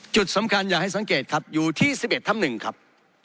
จุดสำคัญอย่าให้สังเกตครับอยู่ที่๑๑ทับ๑ครับ